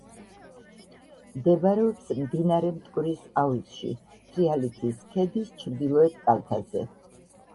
მდებარეობს მდინარე მტკვრის აუზში, თრიალეთის ქედის ჩრდილოეთ კალთაზე.